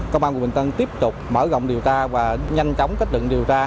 công an quận bình tân tiếp tục mở rộng điều tra và nhanh chóng kết định điều tra